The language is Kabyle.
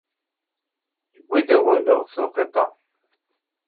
Yuwey-d awal ɣef tenqiḍt-a.